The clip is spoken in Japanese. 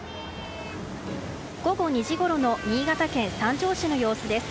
午後２時ごろの新潟県三条市の様子です。